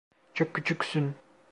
Çok küçüksün.